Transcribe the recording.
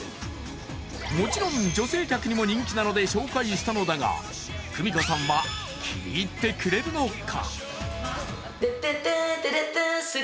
もちろん女性客にも人気なので紹介したのだが久美子さんは気に入ってくれるのか？